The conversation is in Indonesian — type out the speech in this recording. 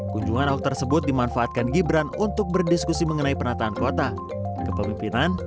kunjungan ahok tersebut dimanfaatkan gibran untuk berdiskusi mengenai penataan kota kepemimpinan